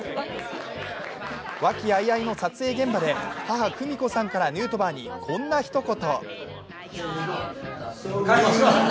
和気あいあいの撮影現場で母・久美子さんからヌートバーに、こんなひと言。